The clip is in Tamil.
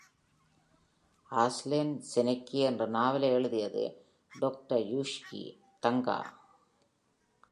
"Arslan Senki" என்ற நாவலை எழுதியது Doctor Yoshiki Tanaka.